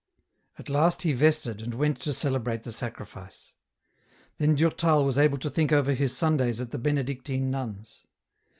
At last he vested, and went to celebrate the sacrifice. Then Durtal was able to think over his Sundays at the Benedictine nuns.